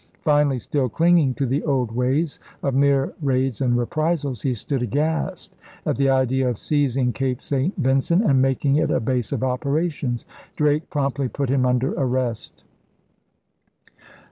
Finally, still clinging to the old ways of mere raids and reprisals, he stood aghast at the idea of seizing Cape St. Vincent and making it a base of operations. Drake promptly put him under arrest.